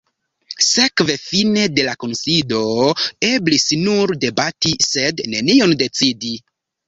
Sekve fine de la kunsido eblis nur debati, sed nenion decidi.